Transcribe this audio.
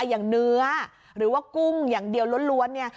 อย่างเนื้อหรือว่ากุ้งอย่างเดียวล้วนเนี่ย